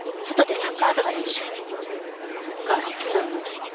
サッカー好きなの？